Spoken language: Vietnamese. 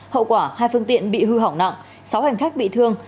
hậu quả hai phương tiện bị hư hỏng nặng sáu hành khách bị thương